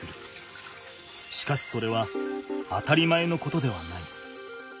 しかしそれは当たり前のことではない。